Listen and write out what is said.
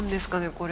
これ。